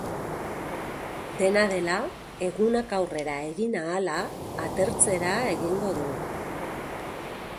Dena dela, egunak aurrera egin ahala, atertzera egingo du.